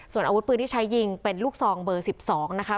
ส่วนอาวุธปืนที่ใช้ยิงเป็นลูกซองเบอร์๑๒นะคะ